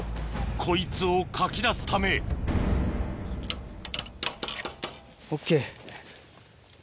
こいつをかき出すためＯＫ。